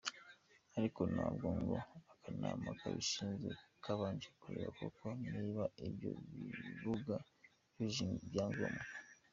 Ariko nabwo ngo akanama kabishinzwe kabanje kureba koko niba ibyo bibuga byujuje ibyangombwa.